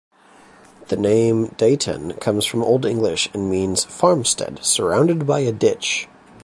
The name Deighton comes from Old English and means "farmstead surrounded by a ditch".